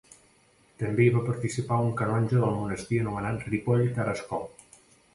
També hi va participar un canonge del monestir anomenat Ripoll Tarascó.